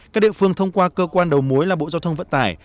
các địa phương thông qua cơ quan đầu mối là bộ giao thông vận tải